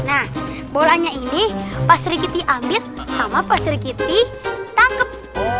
nah bolanya ini pasur kitih ambil sama pasur kitih tangkep